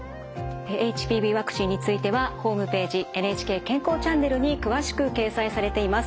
ＨＰＶワクチンについてはホームページ「ＮＨＫ健康チャンネル」に詳しく掲載されています。